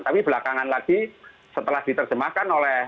tapi belakangan lagi setelah diterjemahkan oleh